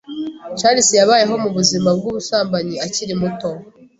Charles yabayeho mubuzima bwubusambanyi akiri muto.